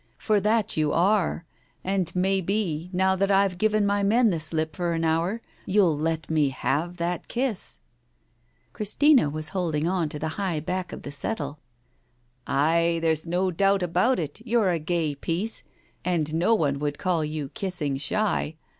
For that you are; and may be, now that I've given my men the slip for an hour, you'll let me have that kiss ?" Christina was holding on to the high back of the settle. "Ay, there's no doubt about it, you're a gay piece, and no one could call you kissing shy.